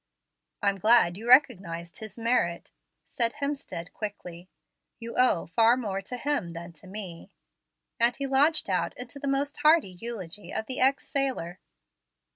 "I'm glad you recognize his merit," said Hemstead, quickly. "You owe far more to him than to me"; and he launched out into the most hearty eulogy of the ex sailor.